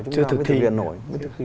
chúng ta mới thực hiện nổi